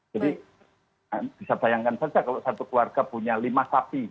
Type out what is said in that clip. jadi bisa dibayangkan saja kalau satu keluarga punya lima sapi